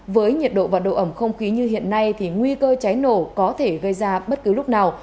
với nhiệt độ và độ ẩm không khí như hiện nay thì nguy cơ cháy nổ có thể gây ra bất cứ lúc nào